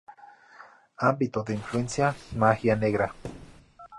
Ámbito de Influencia: Magia Negra.